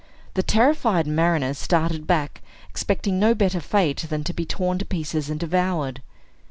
The terrified mariners started back, expecting no better fate than to be torn to pieces and devoured.